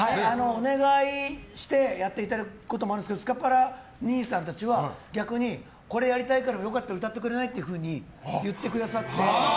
お願いしてやっていただくこともありますけどスカパラ兄さんたちは逆にこれやりたいから良かったら歌ってくれない？と言ってくださって。